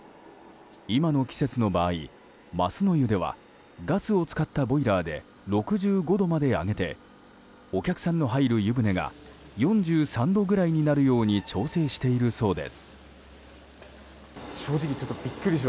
今の季節の場合、ますの湯ではガスを使ったボイラーで６５度まで上げてお客さんの入る湯船が４３度くらいになるように調整しているそうです。